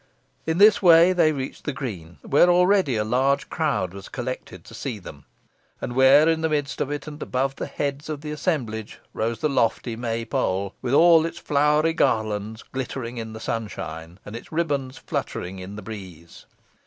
In this way they reached the green, where already a large crowd was collected to see them, and where in the midst of it, and above the heads of the assemblage, rose the lofty May pole, with all its flowery garlands glittering in the sunshine, and its ribands fluttering in the breeze.